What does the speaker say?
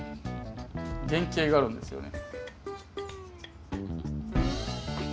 原型があるんですよね。